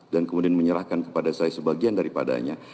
dan kemudian menyerahkan kepada saya sebagian daripadanya